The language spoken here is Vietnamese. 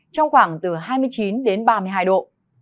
trong khoảng từ hai mươi chín đến ba mươi hai độ